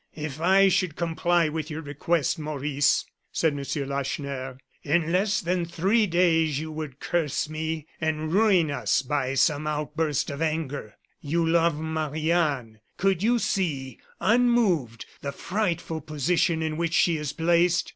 "If I should comply with your request, Maurice," said M. Lacheneur, "in less than three days you would curse me, and ruin us by some outburst of anger. You love Marie Anne. Could you see, unmoved, the frightful position in which she is placed?